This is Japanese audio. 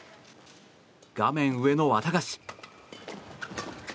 画面上のワタガシ。